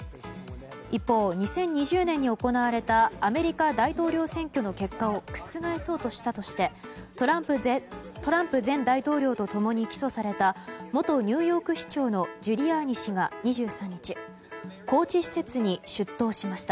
一方、２０２０年に行われたアメリカ大統領選挙の結果を覆そうとしたとしてトランプ前大統領と共に起訴された元ニューヨーク市長のジュリアーニ氏が２３日拘置施設に出頭しました。